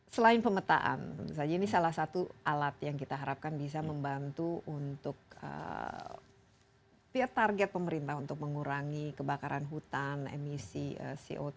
selain pemetaan saja ini salah satu alat yang kita harapkan bisa membantu untuk target pemerintah untuk mengurangi kebakaran hutan emisi co tiga